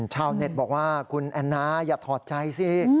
ชาวเน็ตบอกว่าคุณแอนนาอย่าถอดใจสิ